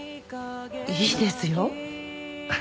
いいですよ。